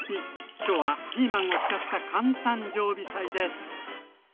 きょうはピーマンを使った簡単常備菜です！